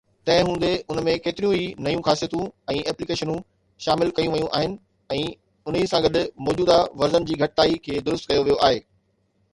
تنهن هوندي، ان ۾ ڪيتريون ئي نيون خاصيتون ۽ ايپليڪيشنون شامل ڪيون ويون آهن ۽ انهي سان گڏ موجوده ورزن جي گهٽتائي کي درست ڪيو ويو آهي.